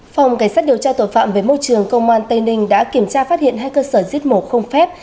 phòng cảnh sát điều tra tội phạm về môi trường công an tây ninh đã kiểm tra phát hiện hai cơ sở giết mổ không phép